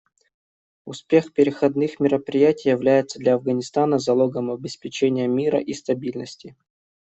Успех переходных мероприятий является для Афганистана залогом обеспечения мира и стабильности.